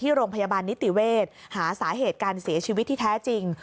โรงพยาบาลนิติเวศหาสาเหตุการเสียชีวิตที่แท้จริง